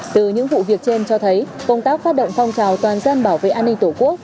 từ những vụ việc trên cho thấy công tác phát động phong trào toàn dân bảo vệ an ninh tổ quốc